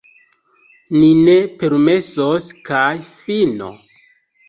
Ni ne permesos, kaj fino!